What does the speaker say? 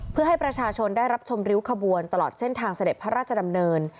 เพื่อให้ประชาชนได้รับชมริ้วขบวนตลอดเส้นทางเสด็จพระราชดำเนิน